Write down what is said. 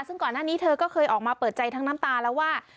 ซึ่งก่อนหน้านี้เธอก็เคยออกมาเปิดใจทั้งน้ำตาแล้วว่า